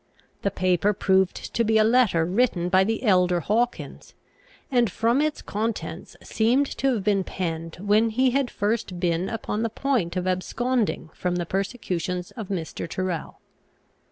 The paper proved to be a letter written by the elder Hawkins, and from its contents seemed to have been penned when he had first been upon the point of absconding from the persecutions of Mr. Tyrrel.